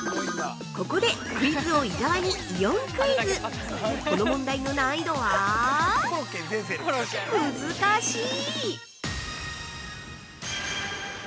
◆ここでクイズ王・伊沢にイオンクイズこの問題の難易度はむずかしい。